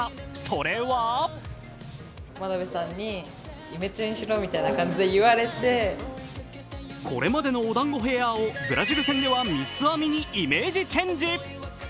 それはこれまでのおだんごヘアをブラジル戦では三つ編みにイメージチェンジ。